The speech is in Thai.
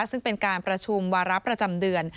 ซึ่งเป็นการประชุมวาระประจำเดือน